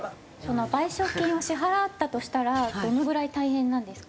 賠償金を支払ったとしたらどのぐらい大変なんですか？